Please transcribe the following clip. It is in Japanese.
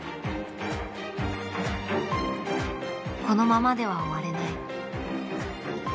このままでは終われない。